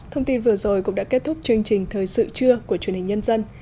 thông tin vừa rồi cũng đã kết thúc chương trình thời sự trưa của truyền hình nhân dân